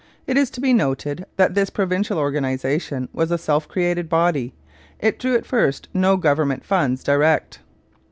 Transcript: It is to be noted that this provincial organization was a self created body; it drew at first no government funds direct.